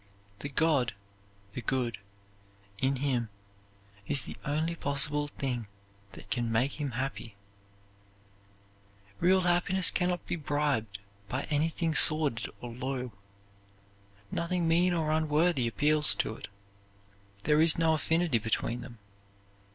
The God (the good) in him is the only possible thing that can make him happy. Real happiness can not be bribed by anything sordid or low. Nothing mean or unworthy appeals to it. There is no affinity between them.